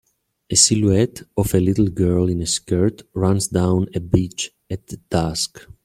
The silhouette of a little girl in a skirt runs down a beach at dusk.